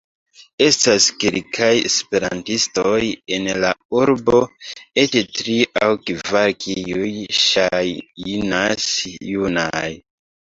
Estas kelkaj Esperantistoj en la urbo, eĉ tri aŭ kvar kiuj ŝajnas junaj.